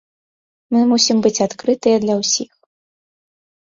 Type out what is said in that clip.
Мы мусім быць адкрытыя для ўсіх.